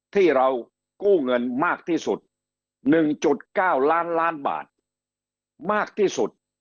ที่เรากู้เงินมากที่สุด๑๙ล้านล้านบาทมากที่สุด